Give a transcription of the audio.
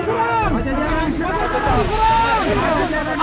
surga pada jarak